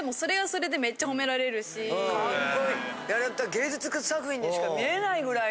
芸術作品にしか見えないぐらいの。